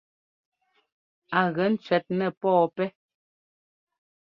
Á gɛ cʉɛt nɛɛ pɔɔpɛ́.